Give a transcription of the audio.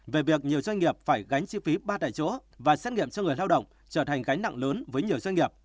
về việc nhiều doanh nghiệp phải gánh chi phí ba tại chỗ và xét nghiệm cho người lao động trở thành gánh nặng lớn với nhiều doanh nghiệp